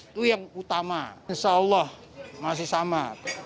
itu yang utama insya allah masih sama